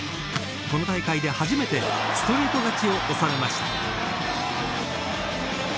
この大会で初めてストレート勝ちを収めました。